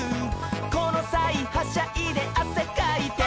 「このさいはしゃいであせかいて」